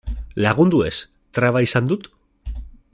Lagundu ez, traba izan dut?